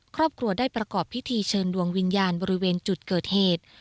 ครอบครัวได้ประกอบพิธีเชิญดวงวิญญาณบริเวณจุดเกิดเหตุ